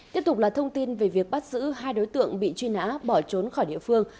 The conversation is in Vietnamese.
tiếp tục là thông tin về việc bắt giữ hai đối tượng bị truy nã bỏ trốn khỏi địa phương